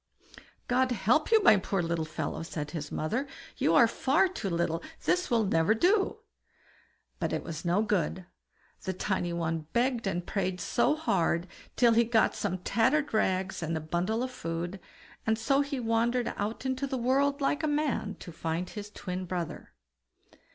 "God help you, my poor little fellow!" said his mother; "you are far too little, this will never do." But it was no good; the tiny one begged and prayed so hard, till he got some old tattered rags and a bundle of food; and so he wandered out into the world like a man, to find his twin brother.